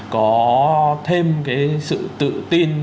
có thêm cái sự tự tin